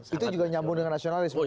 itu juga nyambung dengan nasionalisme